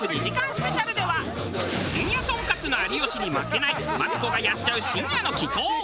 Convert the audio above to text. スペシャルでは深夜トンカツの有吉に負けないマツコがやっちゃう深夜の奇行。